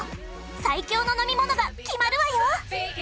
最強の飲み物が決まるわよ！